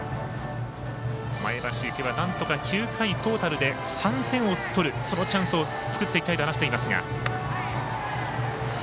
前橋育英はなんとか９回トータルで３点を取る、そのチャンスを作っていきたいと話していますが。